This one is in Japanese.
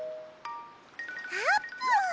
あーぷん！